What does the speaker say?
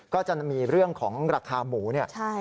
ก็จะมีเรื่องของราคาหมูเนี่ย